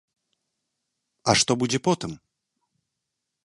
А што будзе потым?